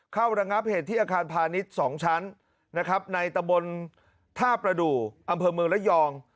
ระงับเหตุที่อาคารพาณิชย์๒ชั้นนะครับในตะบนท่าประดูกอำเภอเมืองระยอง